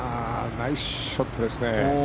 ナイスショットですね。